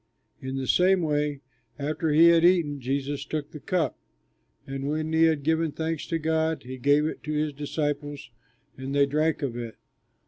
In the same way, after he had eaten, Jesus took the cup, and when he had given thanks to God, he gave it to his disciples and they drank of it.